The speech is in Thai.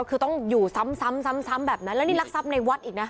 คือต้องอยู่ซ้ำซ้ำแบบนั้นแล้วนี่รักทรัพย์ในวัดอีกนะ